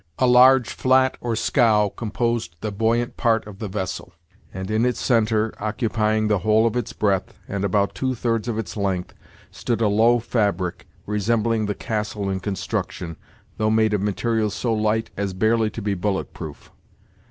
A large flat, or scow, composed the buoyant part of the vessel; and in its centre, occupying the whole of its breadth, and about two thirds of its length, stood a low fabric, resembling the castle in construction, though made of materials so light as barely to be bullet proof.